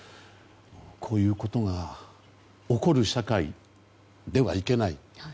こういうことが起こる社会ではいけない。